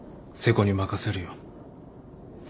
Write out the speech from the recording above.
瀬古に任せるよ。